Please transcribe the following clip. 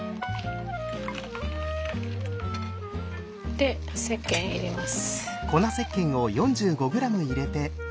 でせっけん入れます。